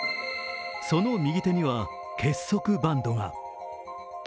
その右手には、結束バンドが。